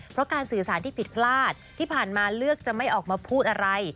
เพราะการสื่อสารที่ผิดพลาดที่ผ่านมาเลือกจะไม่ออกมาพูดอะไร